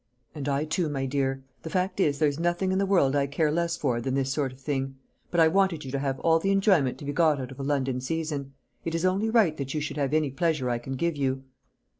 "And I too, my dear. The fact is, there's nothing in the world I care less for than this sort of thing: but I wanted you to have all the enjoyment to be got out of a London season. It is only right that you should have any pleasure I can give you."